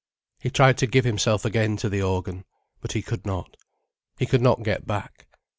He tried to give himself again to the organ. But he could not. He could not get back.